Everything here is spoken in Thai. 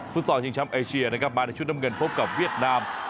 ซอลชิงช้ำเอเชียนะครับมาในชุดน้ำเงินพบกับเวียดนาม